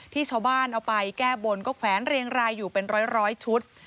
ที่ชาวบ้านเอาไปแก้บนก็แขวนเรียงรายอยู่เป็นร้อยชุด